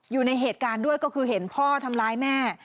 อยู่ในเหตุการณ์ด้วยก็คือเห็นพ่อทำร้ายแม่